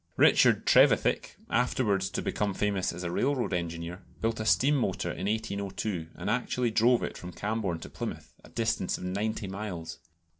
Richard Trevethick, afterwards to become famous as a railroad engineer, built a steam motor in 1802, and actually drove it from Cambourne to Plymouth, a distance of ninety miles.